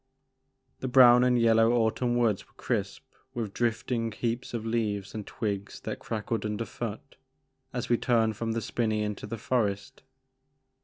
The brown and yellow autumn woods were crisp with drifting heaps of leaves and twigs that crackled under foot as we turned from the spinney into the forest.